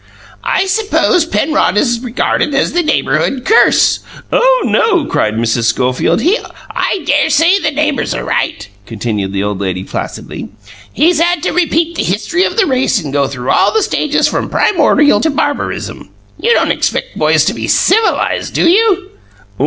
"I suppose Penrod is regarded as the neighbourhood curse?" "Oh, no," cried Mrs. Schofield. "He " "I dare say the neighbours are right," continued the old lady placidly. "He's had to repeat the history of the race and go through all the stages from the primordial to barbarism. You don't expect boys to be civilized, do you?"